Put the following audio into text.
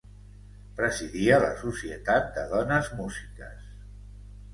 Presidia la Societat de Dones Músiques.